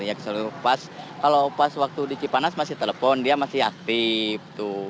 ya kalau pas waktu di cipanas masih telepon dia masih aktif